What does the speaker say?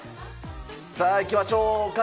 さあ、いきましょうか。